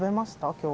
今日」